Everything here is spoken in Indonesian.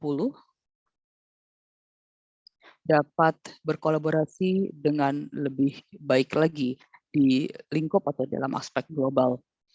dan juga bagaimana g dua puluh dapat berkolaborasi dengan lebih baik lagi di lingkup atau dalam aspek global